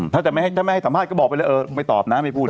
ถ้าจะไม่ให้สัมภาษณ์ก็บอกไปเลยเออไม่ตอบนะไม่พูดนะ